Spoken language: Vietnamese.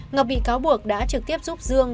ngọc bị cáo buộc đã trực tiếp giúp dương